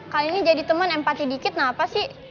kali ini jadi temen empati dikit kenapa sih